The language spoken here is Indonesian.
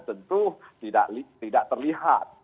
tentu tidak terlihat